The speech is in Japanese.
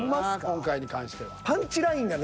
今回に関しては。